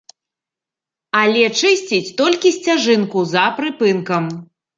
Але чысціць толькі сцяжынку за прыпынкам.